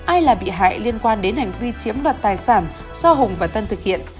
ai là bị hại liên quan đến hành vi chiếm đoạt tài sản do hùng và tân thực hiện